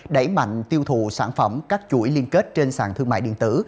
đẩy mạnh tiêu thụ sản phẩm các chuỗi liên kết trên sàn thương mại điện tử